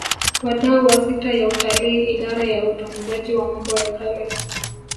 Wadau wa sekta ya utalii Idara ya Utunzaji wa Mambo ya Kale